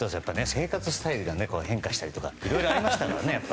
生活スタイルが変化したりとかいろいろありましたからね。